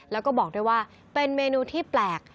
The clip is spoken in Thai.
แล้วก็บอกด้วยว่าเป็นเมนูที่แปลก